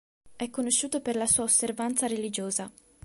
È conosciuto per la sua osservanza religiosa.